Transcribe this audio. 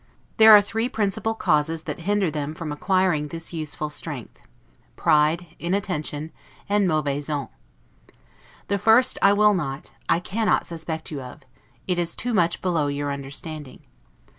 There are three principal causes that hinder them from acquiring this useful strength: pride, inattention, and 'mauvaise honte'. The first I will not, I cannot suspect you of; it is too much below your understanding.